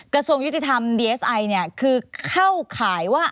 กระทรวงยุติธรรมดีเอสไอเนี่ยคือเข้าข่ายว่า